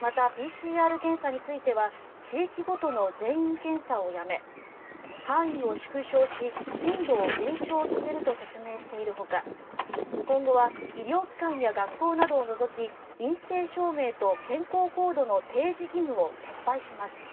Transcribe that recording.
またＰＣＲ検査については地域ごとの全員検査をやめ範囲を縮小し頻度を減少させると説明しているほか今後は医療機関や学校などを除き陰性証明と健康コードの提示義務を撤廃します。